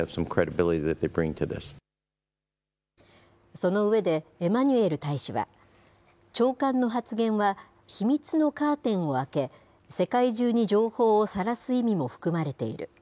その上で、エマニュエル大使は、長官の発言は秘密のカーテンを開け、世界中に情報をさらす意味も含まれている。